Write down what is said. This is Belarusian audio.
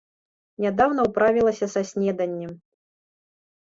Нядаўна ўправілася са снеданнем.